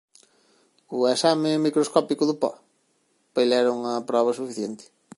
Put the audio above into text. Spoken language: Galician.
O exame microscópico do po? Para el era unha proba suficiente.